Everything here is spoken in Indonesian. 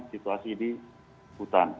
situasi di hutan